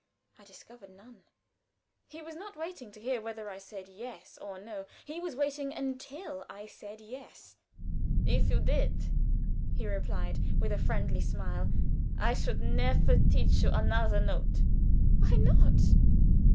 I discovered none. He was not waiting to hear whether I said "yes" or "no," he was waiting until I said "yes." "If you did," he replied, with a friendly smile, "I should never teach you another note." "Why not?"